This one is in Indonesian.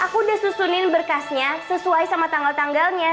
aku udah susunin berkasnya sesuai sama tanggal tanggalnya